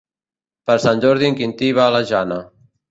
Per Sant Jordi en Quintí va a la Jana.